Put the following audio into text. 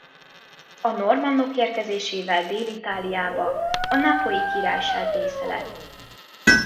A normannok érkezésével dél-itáliába a Nápolyi Királyság része lett.